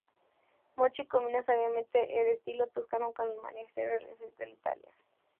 Mochi combina sabiamente el estilo toscano con el manierismo realista del norte de Italia.